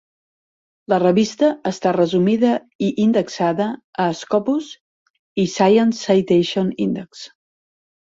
La revista està resumida i indexada a Scopus i Science Citation Index.